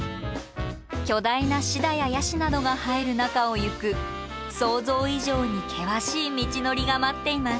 巨大なシダやヤシなどが生える中をゆく想像以上に険しい道のりが待っています。